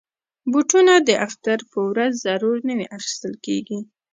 بوټونه د اختر په ورځ ضرور نوي اخیستل کېږي.